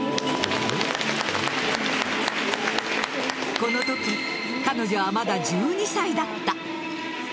このとき彼女はまだ１２歳だった。